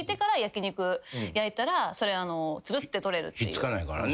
ひっつかないからね。